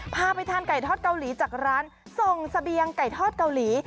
พาไปทานไก่ทอดเกาหลีจากร้านส่งเสบียงไก่ทอดเกาหลี